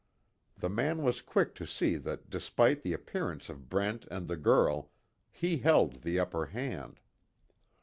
The man was quick to see that despite the appearance of Brent and the girl, he held the upper hand.